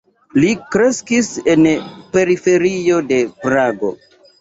Li kreskis en periferio de Prago.